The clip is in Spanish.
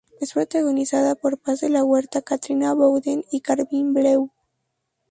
Es protagonizada por Paz de la Huerta, Katrina Bowden y Corbin Bleu.